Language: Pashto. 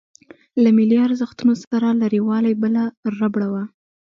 له ملي ارزښتونو سره لريوالۍ بله ربړه وه.